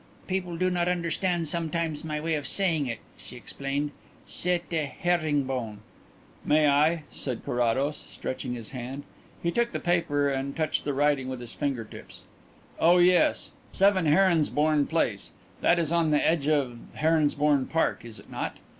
"People do not understand sometimes my way of saying it," she explained. "Sette, Herringbone " "May I ?" said Carrados, stretching out his hand. He took the paper and touched the writing with his finger tips. "Oh yes, 7 Heronsbourne Place. That is on the edge of Heronsbourne Park, is it not?"